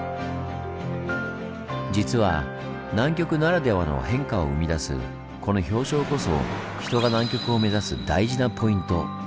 実は南極ならではの変化を生み出すこの氷床こそ人が南極を目指す大事なポイント。